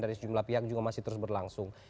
dari sejumlah pihak juga masih terus berlangsung